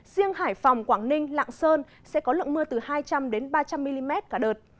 riêng hải phòng quảng ninh lạng sơn sẽ có lượng mưa từ hai trăm linh đến ba trăm linh mm cả đợt